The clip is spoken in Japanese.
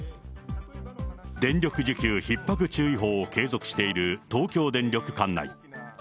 電力需給ひっ迫注意報を継続している東京電力管内。